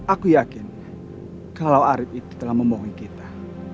aku yakin kalau arief itu telah membohongi kita